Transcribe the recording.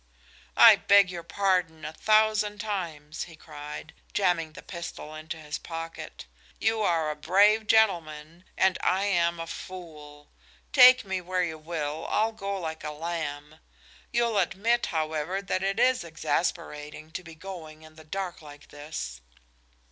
"I beg your pardon a thousand times," he cried, jamming the pistol into his pocket. "You are a brave gentleman and I am a fool. Take me where you will; I'll go like a lamb. You'll admit, however, that it is exasperating to be going in the dark like this."